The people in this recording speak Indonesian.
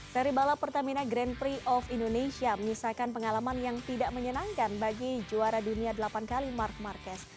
seri balap pertamina grand prix of indonesia menyisakan pengalaman yang tidak menyenangkan bagi juara dunia delapan kali mark marquez